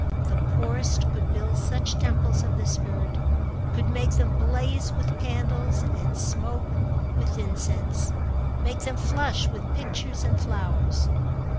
The poorest could build such temples of the spirit—could make them blaze with candles and smoke with incense, make them flush with pictures and flowers.